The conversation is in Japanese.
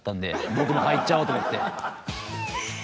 僕も入っちゃおうと思って。